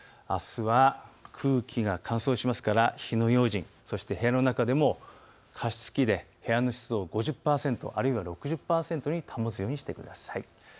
あすは空気が乾燥しますから火の用心、そして部屋の中でも加湿器で部屋の湿度を５０％、あるいは６０％に保つようにしてください。